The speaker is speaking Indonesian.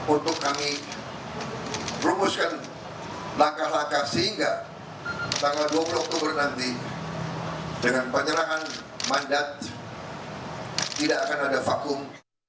untuk kami rumuskan langkah langkah sehingga tanggal dua puluh oktober nanti dengan penyerangan mandat tidak akan ada vakum